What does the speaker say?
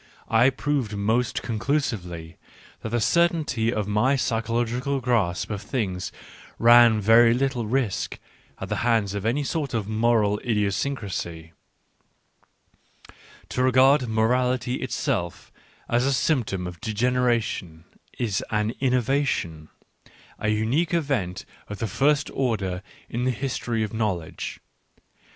I proved most conclusively that the certainty of my psychological grasp of things ran very little risk at the hands of any sort of moral idiosyncrasy: to regard morality itself as a symptom of degeneration is an innovation, a unique event of the first order in the history of knowledge.